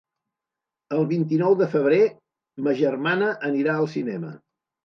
El vint-i-nou de febrer ma germana anirà al cinema.